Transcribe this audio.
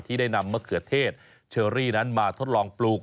ได้นำมะเขือเทศเชอรี่นั้นมาทดลองปลูก